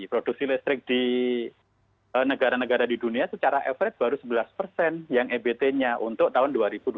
produksi listrik di negara negara di dunia secara average baru sebelas persen yang ebt nya untuk tahun dua ribu dua puluh